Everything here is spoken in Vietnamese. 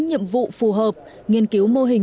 nhiệm vụ phù hợp nghiên cứu mô hình